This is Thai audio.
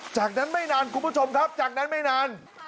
จากนั้นไม่นานคุณผู้ชมครับจากนั้นไม่นาน